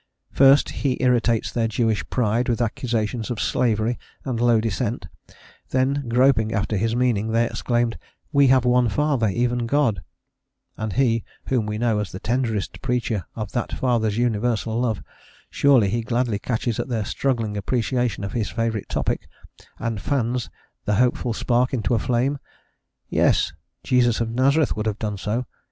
First he irritates their Jewish pride with accusations of slavery and low descent; then, groping after his meaning, they exclaim, "We have one Father, even God," and he whom we know as the tenderest preacher of that Father's universal love surely he gladly catches at their struggling appreciation of his favourite topic, and fans the hopeful spark into a flame? Yes! Jesus of Nazareth would have done so.